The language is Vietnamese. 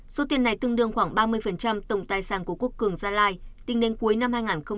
số tiền này tương đương khoảng ba mươi tổng tài sản của quốc cường gia lai tính đến cuối năm hai nghìn một mươi tám